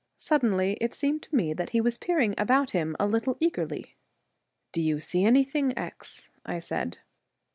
Suddenly it seemed to me that he was peering about him a little eagerly. ' Do you see anything, X ?! I said.